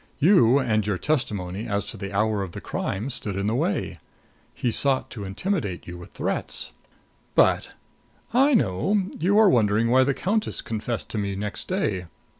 You and your testimony as to the hour of the crime stood in the way. He sought to intimidate you with threats " "But " "I know you are wondering why the countess confessed to me next day.